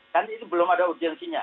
kan itu belum ada urgensinya